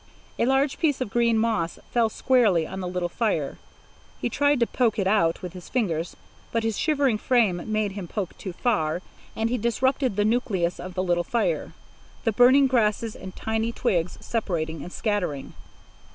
A large piece of green moss fell squarely on the little fire. He tried to poke it out with his fingers, but his shivering frame made him poke too far, and he disrupted the nucleus of the little fire, the burning grasses and tiny twigs separating and scattering.